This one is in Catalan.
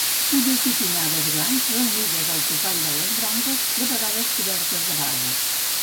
Fulles bipinnades grans reunides al topall de les branques, de vegades cobertes de barbes.